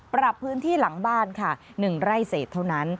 ปรับพื้นที่หลังบ้านค่ะ๑ไร่เศษเท่านั้น